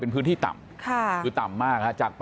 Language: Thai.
เป็นพื้นที่ต่ำคือต่ำมาก